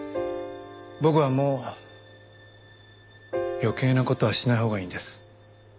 僕はもう余計な事はしないほうがいいんです。